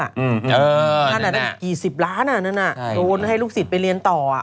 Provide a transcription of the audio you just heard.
อันนั้นกี่สิบล้านอ่ะโดนให้ลูกศิษย์ไปเรียนต่อ